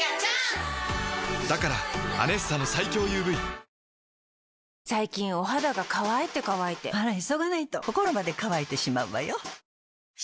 だから「アネッサ」の最強ＵＶ最近お肌が乾いて乾いてあら急がないと心まで乾いてしまうわよ。